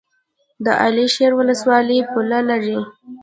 د علي شیر ولسوالۍ پوله لري